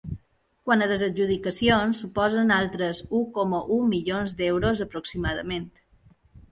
Quant a les adjudicacions, suposen altres u coma u milions d’euros aproximadament.